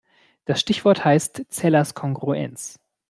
Das Stichwort heißt Zellers Kongruenz.